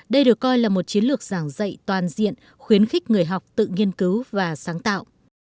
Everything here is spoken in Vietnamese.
đây được coi là một chiến lược giảng dạy toàn diện khuyến khích người học tự nghiên cứu và sáng tạo